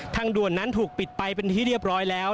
ทางด่วนนั้นถูกปิดไปเป็นที่เรียบร้อยแล้ว